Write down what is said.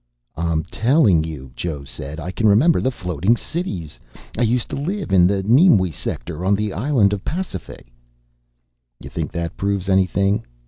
"I'm telling you," Joe said, "I can remember the floating cities! I used to live in the Nimui sector on the island of Pasiphae." "You think that proves anything?"